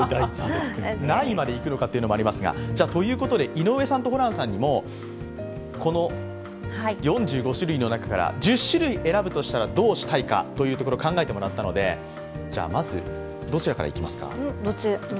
何位までいくのかというのありますが、井上さんとホランさんにもこの４５種類の中から１０種類選ぶとしたらどうするかというところ考えてもらったので、まずどちらからいきますか？